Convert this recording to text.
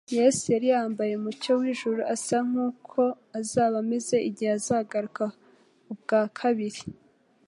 Yesu yari yambaye umucyo w'ijuru, asa nk'uko azaba ameze igihe azagaruka ubwa kabiri